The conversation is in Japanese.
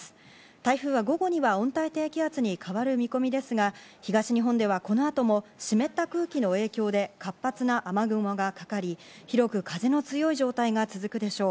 台風は午後には温帯低気圧に変わる見込みですが、東日本ではこの後も湿った空気の影響で活発な雨雲がかかり、広く風の強い状態が続くでしょう。